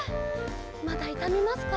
まだいたみますか？